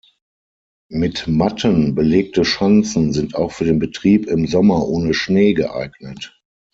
Mit Matten belegte Schanzen sind auch für den Betrieb im Sommer ohne Schnee geeignet.